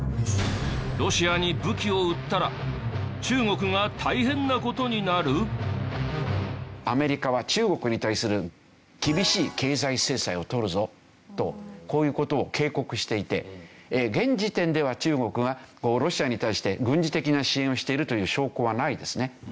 ロシアに武器を売ったらアメリカは中国に対する厳しい経済制裁を取るぞとこういう事を警告していて現時点では中国がロシアに対して軍事的な支援をしているという証拠はないですね。